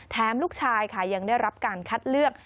ลูกชายค่ะยังได้รับการคัดเลือก